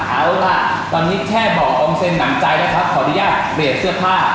เอาล่ะตอนนี้แช่บ่ออองเซ็นนั่งใจนะครับขออนุญาตเปลี่ยนเสื้อผ้า